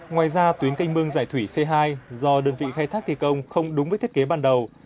ngoài ra tuyến canh mương giải thủy c hai do đơn vị khai thác thi công không đúng với thiết kế ban đầu